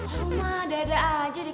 loh ma ada ada aja deh